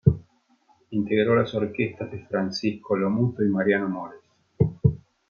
Integró las orquestas de Francisco Lomuto y Mariano Mores.